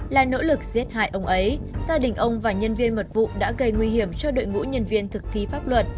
là nỗ lực giết hại ông ấy gia đình ông và nhân viên mật vụ đã gây nguy hiểm cho đội ngũ nhân viên thực thi pháp luật